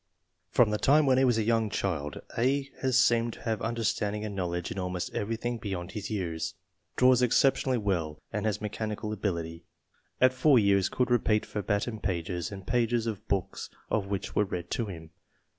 " Prom the time when he was' a young child A. has seemed to have understand FORTY ONE SUPERIOR CHILDREN 227 ing and knowledge in almost everything beyond his years." Draws exceptionally well and has mechanical ability. "At four years could repeat verbatim pages and pages of books which were read to him."